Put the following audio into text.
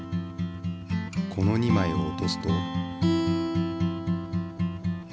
この２まいを落とすと。